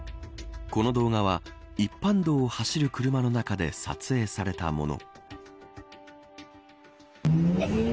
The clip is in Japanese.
この動画は一般道を走る車の中で撮影されたもの。